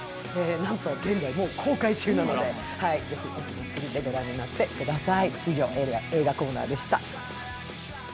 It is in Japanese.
なんと現在、もう公開中なので、ぜひ御覧になってください。